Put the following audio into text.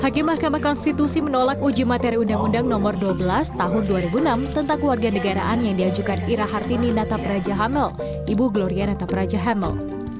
hakim mahkamah konstitusi menolak uji materi undang undang nomor dua belas tahun dua ribu enam tentang warga negaraan yang diajukan ira hartini natapraja hamel ibu gloria natapraja hamel